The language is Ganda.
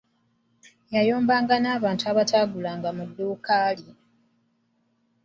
Yayombanga n'abantu abataagulanga mu dduuka ye.